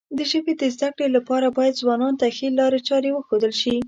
د ژبې د زده کړې لپاره باید ځوانانو ته ښې لارې چارې وښودل شي.